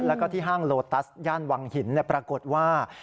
แล้วก็ที่ห้างโลตัสย่านวังหินปรากฏว่า